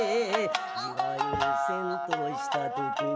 「自害せんとした時に」